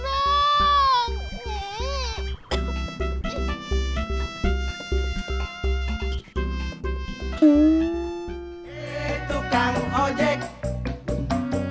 hei tukang ojek